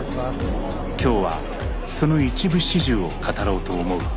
今日はその一部始終を語ろうと思う。